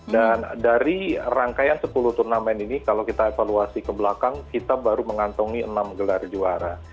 dan dari rangkaian sepuluh turnamen ini kalau kita evaluasi ke belakang kita baru mengantungi enam gelar juara